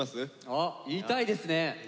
あ言いたいですね。